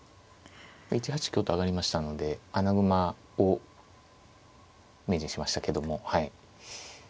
１八香と上がりましたので穴熊を明示しましたけども。